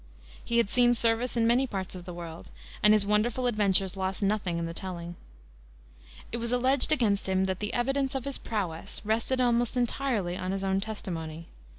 He had seen service in many parts of the world, and his wonderful adventures lost nothing in the telling. It was alleged against him that the evidence of his prowess rested almost entirely on his own testimony.